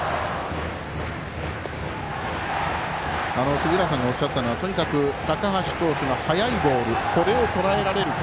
杉浦さんがおっしゃったのはとにかく高橋投手の速いボールこれをとらえられるか。